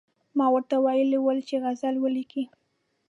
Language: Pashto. ما ورته ویلي ول چې غزل ولیکئ.